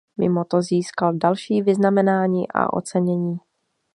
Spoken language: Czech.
Mimo to získal další vyznamenání a ocenění.